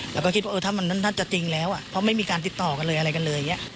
แล้วก็คิดว่าเออถ้ามันน่าจะจริงแล้วเพราะไม่มีการติดต่อกันเลยอะไรกันเลยอย่างนี้